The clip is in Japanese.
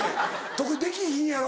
徳井できひんやろ？